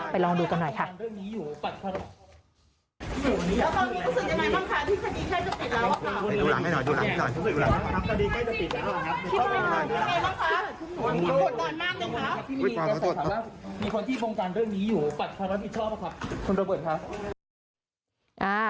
ลองดูกันหน่อยค่ะ